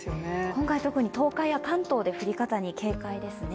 今回特に東海や関東で降り方に警戒ですね。